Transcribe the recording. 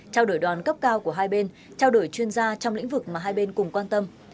trao đổi đoàn cấp cao của hai bên trao đổi chuyên gia trong lĩnh vực mà hai bên cùng quan tâm